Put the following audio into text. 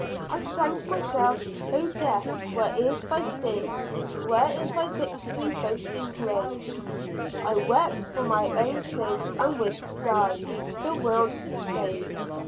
I sang to myself, "O death, where is thy sting, where is thy victory, boasting grave." I wept for my own sins, and wished to die, the world to save.